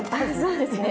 そうですね。